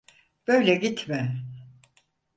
Böyle gitme…